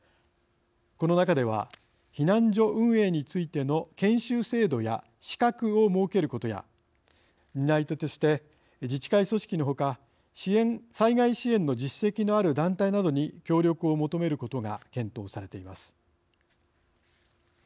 この中では避難所運営についての研修制度や資格を設けることや担い手として自治会組織のほか災害支援の実績のある団体などに協力を求めることが検討されています。